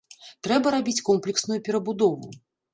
Трэба рабіць комплексную перабудову.